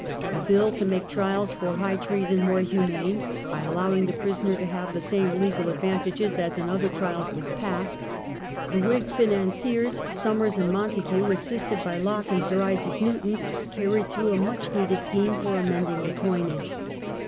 A bill to make trials for high treason more humane, by allowing the prisoner to have the same legal advantages as in other trials, was passed. The Whig financiers, Somers and Montague, assisted by Locke apd Sir Isaac Newton, carried through a much needed scheme for amending the coinage.